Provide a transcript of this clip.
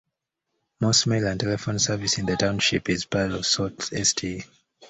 Most mail and telephone service in the township is part of Sault Ste.